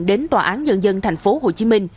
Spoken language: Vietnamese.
đến tòa án nhân dân tp hcm